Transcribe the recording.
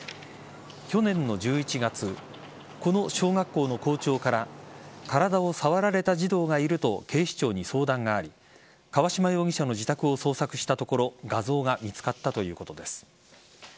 去年の１１月この小学校の校長から体を触られた児童がいると警視庁に相談があり河嶌容疑者の自宅を捜索したところ画像が見つかったということです。